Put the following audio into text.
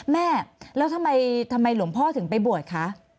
แม่แล้วทำไมหลวงพ่อถึงไปบวชคะ